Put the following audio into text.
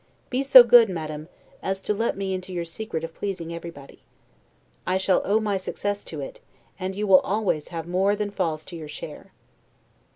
Be so good, Madame, as to let me into your secret of pleasing everybody. I shall owe my success to it, and you will always have more than falls to your share."